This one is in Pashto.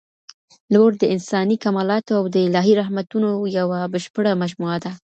لور د انساني کمالاتو او د الهي رحمتونو یوه بشپړه مجموعه ده.